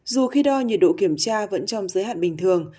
dù khi đo nhiệt độ kiểm tra vẫn trong giới hạn bình thường